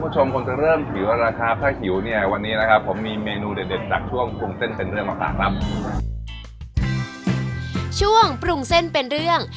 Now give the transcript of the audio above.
ช่วงปรุงเส้นเป็นเรื่อง